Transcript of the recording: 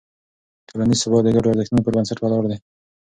ټولنیز ثبات د ګډو ارزښتونو پر بنسټ ولاړ دی.